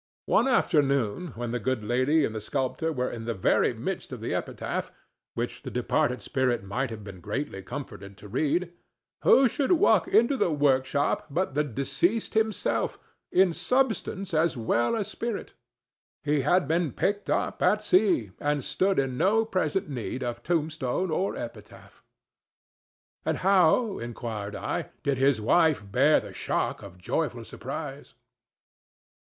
One afternoon, when the good lady and the sculptor were in the very midst of the epitaph—which the departed spirit might have been greatly comforted to read—who should walk into the workshop but the deceased himself, in substance as well as spirit! He had been picked up at sea, and stood in no present need of tombstone or epitaph. "And how," inquired I, "did his wife bear the shock of joyful surprise?"